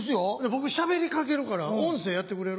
僕しゃべりかけるから音声やってくれる？